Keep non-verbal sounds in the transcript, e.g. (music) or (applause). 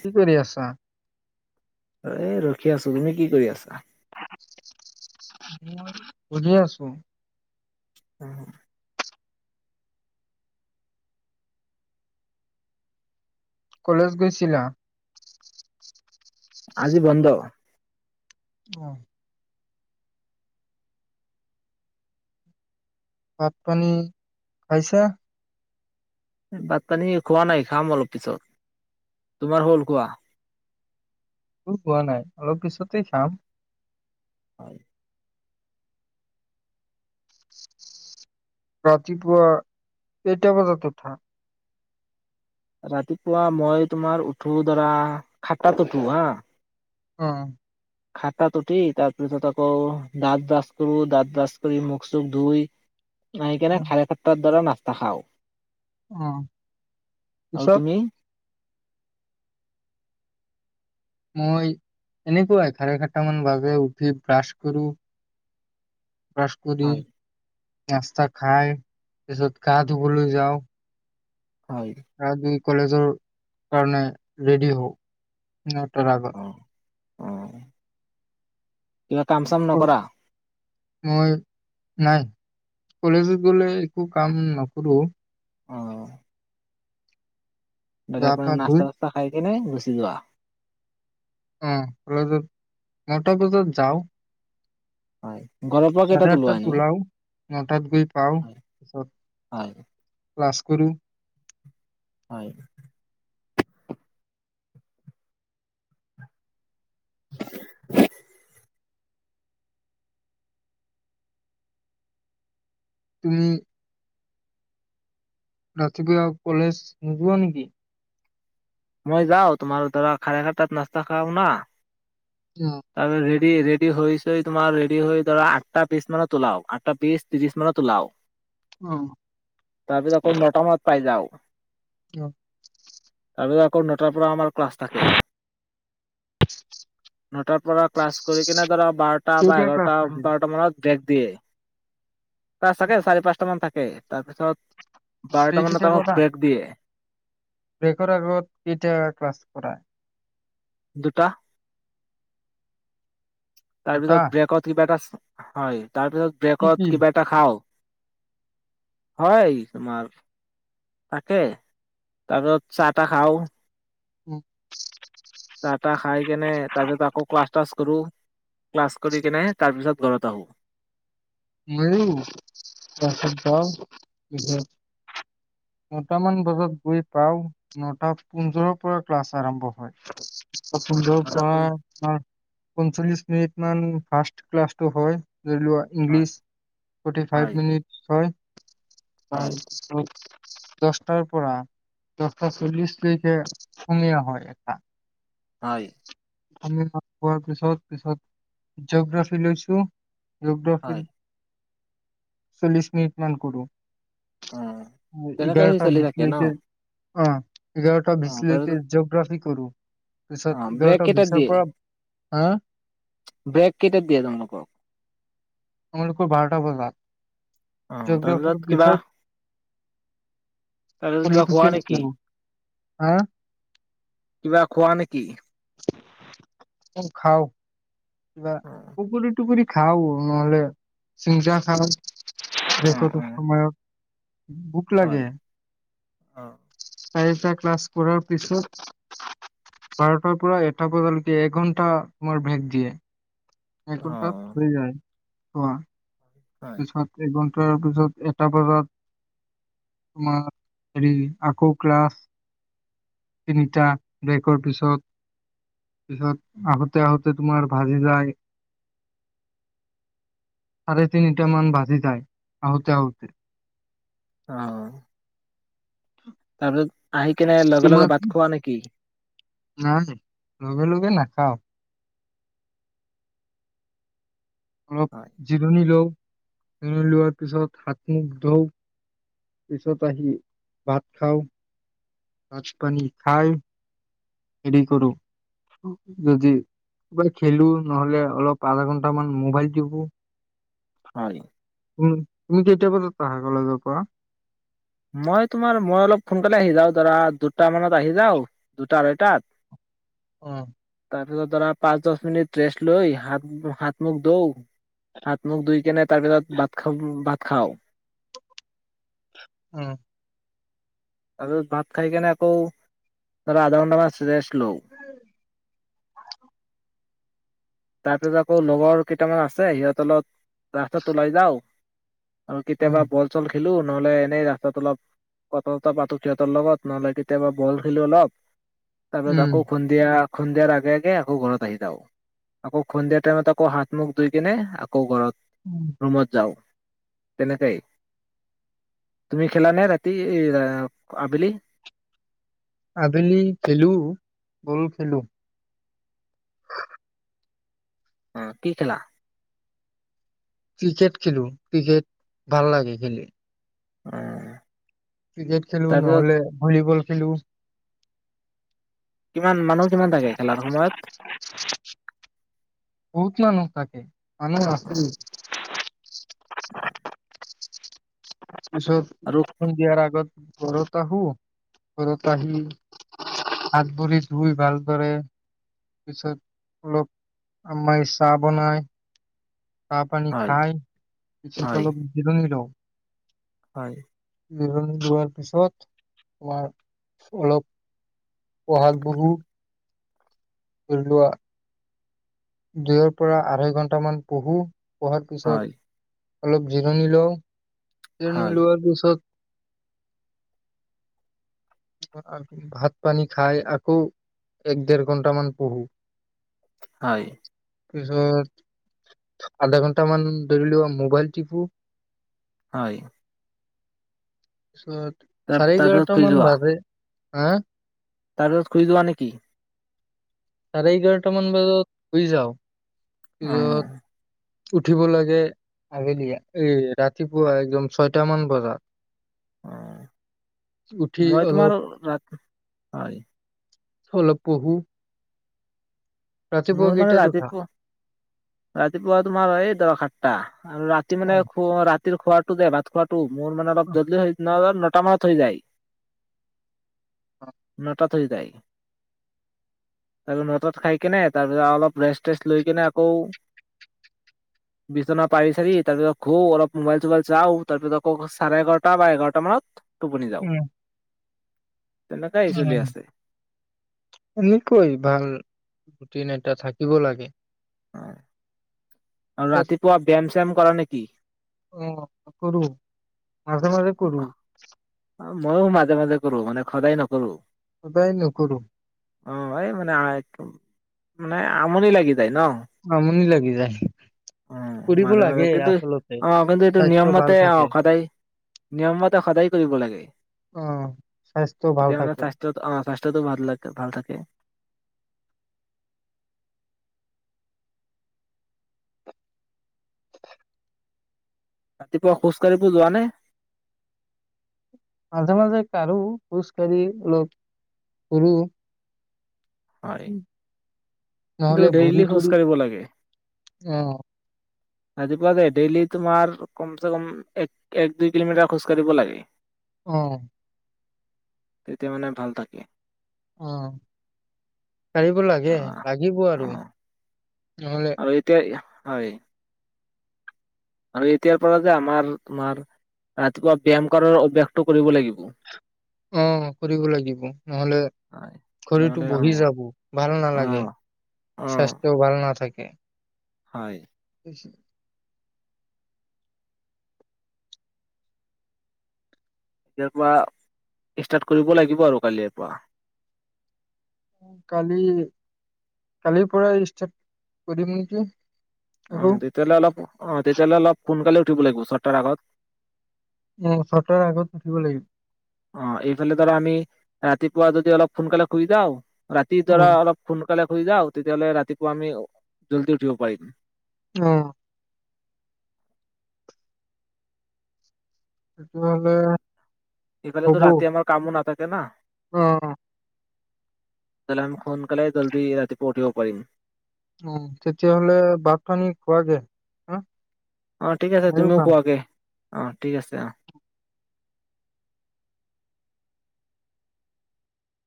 কি কৰি আছা? এ, ৰখি আছোঁ। তুমি কি কৰি আছা? বুজি আছো হু হু কলেজ গৈছিলা? আজি বন্ধ। আহ। ভাত-পানী খাইছা? ভাত-পানী খোৱা নাই, খাম অলপ পিছত তোমাৰ হ'ল কোৱা? উ, হোৱা নাই, অলপ পিছতেই খাম। হয়। ৰাতিপুৱা, কেইটা বজাত উঠা। ৰাতিপুৱা, মই তোমাৰ উঠো দৰা, খাতটাত উঠো, হা। অ। খাতটাত উঠি, তাৰপিছত আকৌ দাঁত ব্ৰাছ কৰোঁ। দাঁত ব্ৰাছ কৰি, মুখ-চুখ ধুই। (unintelligible) (unintelligible) উম, আৰু পিছত? তুমি মই এনেকুৱাই খাৰে খাটতা মান বাজে উঠি ব্ৰাছ কৰোঁ। ব্ৰাছ কৰি নাস্তা খাই, পিছত, গা ধুবলৈ যাওঁ। হয় (unintelligible) কলেজৰ কাৰণে ৰেডি হওঁ। নটাৰ আগত। অ অ। কিবা কাম চাম নকৰা? মই, নাই। কলেজত গ'লে একো কাম নকৰোঁ অহ। গা পা (unintelligible) ধুই নাস্তা চাষ্টা খাই। এনেই গুচি যোৱা। অ কলেজত নটা বজাত যাও। হয়। ঘৰৰ পৰা চাৰে কেইটাত ওলোৱা আঠটাত এনে উলাও। নটাত গৈ পাওঁ। হয় পিছত, হয় ক্লাছ কৰোঁ। হয়। (inaudible) (unintelligible) ৰাতিপুৱা কলেজ নোযোৱা নেকি? মই যাওঁ, তোমাৰ দৰা, খাৰে খাটাতাত নাস্তা খাও না। অ', (unintelligible) দি ৰেডি হৈ হৈছে তোমাৰ ৰেডি হৈ ধৰা আঠটা বিছ মানত উলাও, আঠটা বিছ, ত্ৰিশ মানত উলাও। অ', তাৰ পিছত আকৌ নটা মানত পাই যাওঁ। (unintelligible) অ। তাৰ পিছত আকৌ নটাৰ পৰা আমাৰ ক্লাছ থাকে। নটাৰ পৰা ক্লাছ কৰি কিনে ধৰা বাৰটা বা কেইটা ক্লাছ এঘাৰটা, থাকে? বাৰটা মানত ব্ৰেক। দিয়ে। ক্লাছ থাকে চাৰি-পাঁচটা মান থাকে। (unintelligible) তাৰ পিছত (unintelligible) ব্ৰেকৰ আগত কেইটা ক্লাছ কৰা? দুটা। তাৰ দুটা? পিছত ব্ৰেকত কিবা এটা হয়। তাৰ পিছত কি কি? ব্ৰেকত কিবা এটা খাওঁ। হয় তোমাৰ তাকে তাৰ পিছত চাহ তাহ খাওঁ। উম। চাহ তাহ খাই কেনে আকৌ ক্লাছ তাছ কৰোঁ, ক্লাছ কৰি কিনে তাৰ পিছত ঘৰত আহোঁ। মইো ক্লাছত যাওঁ, তাৰ পিছত নটামান বজাত গৈ পাওঁ, নটা পোন্ধৰৰ পৰা ক্লাছ আৰম্ভ হয়। (unintelligible) নটা পোন পৰা পঞ্চল্লিশ মিনিট মান ফাৰ্ষ্ট ক্লাছটো হয়। ধৰি লোৱা ইংলিছ হয় ফৰটি ফাইভ হয় মিনিট হয়। হয় অ দহটাৰ পৰা দহটা চল্লিশ লৈকে আসমীয়া হয় এটা। হয়। (unintelligible) পিছত-পিছত জিঅগ্ৰফী লৈছোঁ। হয় জিঅগ্ৰফীৰ চল্লিছ মিনিট মান কৰোঁ। উম। তেনেকে সি এঘাৰটা চলি থাকে ন ভিতলৈকে অ। এঘাৰটা অ বিছলৈকে তাৰপিছত জিগ্ৰাফিক কৰোঁ। অ পিছত ব্ৰেক এঘাৰটা কেইটাত বিছৰ দিয়ে পৰা হা? ব্ৰেক কেইটাত দিয়ে তোমালোকক? আমালোকক বাৰটা বজাত। অ, তাৰ পিছত কিবা? তাৰ (unintelligible) কোৱা নেকি? হম্? কিবা খোৱা নেকি? তুম খাৱ। কিবা অ পুকুৰী টুকুৰী খাওঁ। নহ'লে চিমচা খাওঁ। অ অ দেখোঁতো, সময়ত। বুক হয় লাগে। অ'। চাৰিটা ক্লাছ কৰাৰ পিছত, বাৰটাৰ পৰা এটা বজালৈকে এঘন্টা, আমাৰ ব্ৰেক দিয়ে। অ এঘণ্টাত, হৈ যায়। কোৱা। হয়। (unintelligible) তাৰ পিছত এটা বজাত তোমাৰ হেৰি, আকৌ ক্লাছ তিনিটা ব্ৰেকৰ পিছত-পিছত আহোতে-আহোতে তোমাৰ ভাজি যায়। ছাৰে তিনিটামান বাজি যায়, আহোঁতে আহোঁতে। অ তাৰ পিছত আহি কেনে লগে তোমাৰ লগে ভাত খোৱা নেকি? নাই লগে লগে নাখাওঁ। অলপ হয় জিৰণি লওঁ। (unintelligible) লোৱাৰ পিছত, হাত-মুখ ধুওঁ। পিছত আহি ভাত খাওঁ। ভাত-পানী খাই হেৰি কৰোঁ, (unintelligible) যদি, কিবা খেলোঁ, নহ'লে, অলপ আধা ঘন্টাামান মোবাইল টিপো। হয়। উম। তুমি কেইটা বজাত আহা কলেজৰ পৰা? মই তোমাৰ, মই অলপ খোনকালে আহি যাওঁ। ধৰা, দুটা মানত আহি যাওঁ, দুটা আঢ়ৈটাত। অ'হ। তাৰপিছত ধৰা, পাঁচ দহ মিনিট ৰেষ্টলৈ, হাত, হাত-মুখ ধুওঁ। হাত-মুখ ধুই কেনে, তাৰপিছত ভাত খাম, ভাত খাওঁ। উ আৰু ভাত খাই কেনে আকৌ, ধৰা আধা ঘণ্টা মান ৰেষ্ট লওঁ। (inaudible) তাৰ পিছত আকৌ লগৰ কেইটামান আছে, সিহঁতৰ লগত ৰাস্তাত ওলাই যাওঁ। আৰু উম কেতিয়াবা বল চল খেলু নহ'লে, এনেই ৰাস্তাত অলপ কথা-চথা পাতোঁ, সিহঁতৰ লগত। নহ'লে কেতিয়াবা বল খেলো অলপ। তাৰ পাছত, উম আাকৌ খন্ধিয়া খন্ধিয়াৰ আগে আগে আকৌ ঘৰত আহি যাওঁ। আকৌ খন্ধিয়া টাইমত, আকৌ হাত-মুখ ধুইকেনে আকৌ উম। ঘৰত ৰুমত যাওঁ। তেনেকেই। তুমি খেলানে ৰাতি, এ, আ, আ, আবেলি? আবেলি খেলোঁ, বল খেলোঁ। অ, কি খেলা? ক্ৰিকেট খেলো। ক্ৰিকেট, ভাল লাগে খেলি। অ ক্ৰিকেট খেলো তাৰপিছত নহলে ভলীবল খেলো। কিমান মানুহ কিমান থাকে খেলাৰ সময়ত বহুত মানুহ থাকে উম মানুহ আছিল। তাৰ আৰু পিছত ফোন দিয়াৰ আগত ঘৰত আহো, ঘৰত আহি হাত ভৰি ধুই ভালদৰে পিছত অলপ আম্মায়ে চাহ বনাই। চাহ পানী হয় খাই পিছত হয় অলপ জিৰণি লওঁ। হয় জিৰণি লোৱাৰ পিছত আমাৰ অলপ পঢ়াত বহু। ধৰি লোৱা দুয়ৰ পৰা আঢ়ৈ ঘন্টামান পহোঁ পঢ়াৰ হয় পিছত। অলপ জিৰণি লওঁ। জিৰণী হয় লোৱাৰ পিছত ভাত পানী খাই আকৌ এক ডেৰ ঘন্টামান পঢ়ো। হয়। তাৰ পিছত আধা ঘন্টা মান ধৰি লোৱা মোবাইল টিপু। হয়। তাৰপিছত তাৰ চাৰে তাৰপিছত এঘাৰটা শুই মান যোৱা বাজে। অ তাৰপিছত শুই যোৱা নেকি? চাৰে এঘাৰটা মান বজাত শুই যাওঁ। উম। পিছত উঠিব লাগে। আবেলি এই ৰাতিপুৱা একদম ছয়টামান বজাত। অ উঠি মই অলপ তোমাৰ ৰাতি হয় হয় অলপ পঢ়ো ৰাতিপুৱা মোৰ মানে কেইটাত উঠা? ৰাতিপুৱা, ৰাতিপুৱা তোমাৰ এই ধৰা সাতটা আৰু ৰাতি অ মানে শুৱা ৰাতি খোৱাটো যে ভাত খোৱাটো মোৰ মানে অ, অলপ জল্দি হয় (unintelligible) মানত হয় যায়। ন তাত হৈ যায়। আৰু ন তাত খায় কেনে তাৰপিছত অলপ ৰেষ্ট চেষ্ট লৈ কিনে আকৌ বিচনা পাৰি চাৰি তাৰ পিছত শু অলপ মোবাইল চোবাইল চাওঁ তাৰ পিছত আকৌ চাৰে এঘাৰটা বা এঘাৰটা মানত টোপনি যাওঁ। উম তেনেকৈ চলি উম। আছে। এনেকৈ ভাল ৰুটিন এটা থাকিব লাগে। অ আৰু ৰাতিপুৱা ব্যায়াম (unintelligible) কৰা নেকি আহ কৰু মাজে মাজে কৰো ময়ো মাজে মাজে কৰো মানে সদায় নকৰো সদায় নকৰো অ আই মানে মানে আমনি লাগি ন আমনি লাগি যায়। অ কৰিব মাজে মাজে লাগে কিন্তু আচলতে অ কিন্তু এইটো নিয়ম স্বাস্থ্য ভাল মতে অ থাকে। সদায় নিয়ম মতে সদায় কৰিব লাগে উম স্বাস্থ্যও ভাল তেতিয়া মানে থাকে স্বাস্থ্যত (unintelligible) ভাল থাকে (unintelligible) ৰাতিপুৱা খোজ কাঢ়িবো যোৱা নে? মাজে মাজে কাৰো খোজ কাঢ়ি অলপ কৰু হয় কিন্তু নহ'লে ভৰি দেইলী খোজ তৰি কাঢ়িব লাগে অ ৰাতিপুৱা যে ডেইলি তোমাৰ কম চ কম এক এক দুই কিলোমিটাৰ খোজ কাঢ়িব লাগে আহ তেতিয়া মানে ভাল থাকে অ কাঢ়িব অ লাগে লাগিব অ আৰু নহ'লে আৰু এতিয়া হয় আৰু এতিয়াৰ পৰা যে আমাৰ তোমাৰ ৰাতিপুৱা ব্যায়াম কাৰৰ অভ্যাসটো কৰিব লাগিব অ কৰিব লাগিব নহলে হয় শৰীৰটো নহ'লে অ বহি যাব, ভাল অ নালাগে, অ স্বাস্থ্যও ভাল নাথাকে উ হয় (inaudible) এতিয়াৰ পৰা ষ্টাৰ্ট কৰিব লাগিব আৰু কালিৰে পৰা কালি কালিৰ পৰা ষ্টাৰ্ট কৰিম নেকি অ আকৌ তেতিয়লে অলপ অ তেতিয়লে অলপ সোনকালে উঠিব লাগিব ছটাৰ আগত এ ছটাৰ আগত উঠিব লাগিব অ এইফালে ধৰা আমি ৰাতিপুৱা যদি অলপ সোনকালে (unintelligible) ৰাতি ধৰা উম। অলপ ফোন সোনকালেই শুই যাওঁ তেতিয়াহলে ৰাতিপুৱা আমি জল্দি উঠিব পাৰিম অ সেইটো হলে সেইফালেতো ৰাতি আমাৰ কামো নাথাকে (unintelligible) উম (unintelligible) সোনকালে জল্দি ৰাতিপুৱা উঠিব পাৰিম। উ তেতিয়াাহলে ভাত খানি খোৱা গে হা অ ঠিক আছে ময়ো তুমিও খাম। কোৱাগে অ ঠিক আছে অ